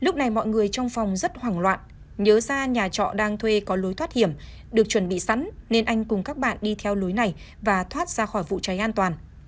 phòng rất hoảng loạn nhớ ra nhà trọ đang thuê có lối thoát hiểm được chuẩn bị sẵn nên anh cùng các bạn đi theo lối này và thoát ra khỏi vụ cháy an toàn